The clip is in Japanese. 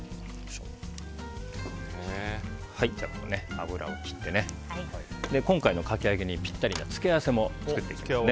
油を切って今回のかき揚げにぴったりな付け合わせも作っていきますね。